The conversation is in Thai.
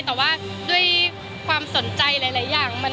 แต่ว่าด้วยความสนใจหลายอย่าง